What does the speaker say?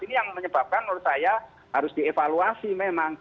ini yang menyebabkan menurut saya harus dievaluasi memang